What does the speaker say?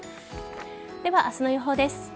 では、明日の予報です。